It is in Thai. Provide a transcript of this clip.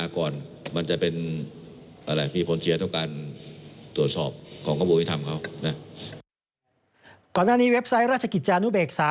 ก่อนหน้านี้เว็บไซต์ราชกิจจานุเบกษา